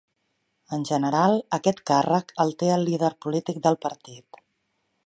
En general, aquest càrrec el té el líder polític del partit.